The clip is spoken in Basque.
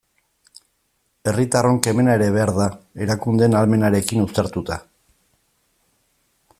Herritarron kemena ere behar da, erakundeen ahalmenarekin uztartuta.